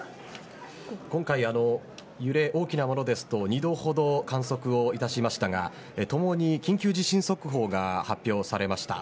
今回、揺れ大きなものですと２度ほど観測いたしましたがともに緊急地震速報が発表されました。